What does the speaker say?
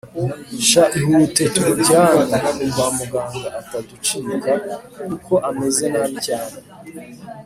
sha ihute tumujyane kwamuganga ataducika kuko ameze nabi cyane